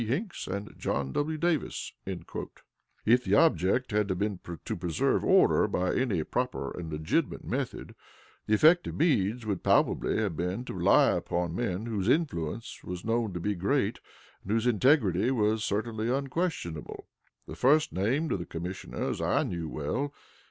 Hinks, and John W. Davis." If the object had been to preserve order by any proper and legitimate method, the effective means would palpably have been to rely upon men whose influence was known to be great, and whose integrity was certainly unquestionable. The first named of the commissioners I knew well.